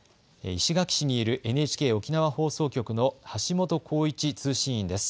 石垣市にいるＮＨＫ沖縄放送局の橋本浩一通信員です。